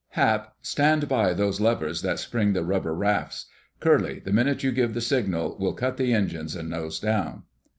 Hap, stand by those levers that spring the rubber rafts. Curly, the minute you give the signal, we'll cut the engines and nose down."